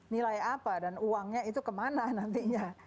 nilai apa dan uangnya itu kemana nantinya